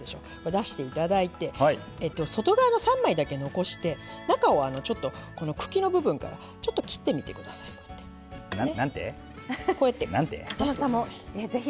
出していただいて外側の３枚だけ残して中を茎の部分からちょっと切ってみてください。なんて？なんて？